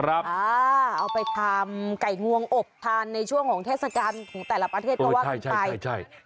เอาไปทำไก่งวงอบทานในช่วงของเทศกาลของแต่ละประเทศก็ว่ากันไป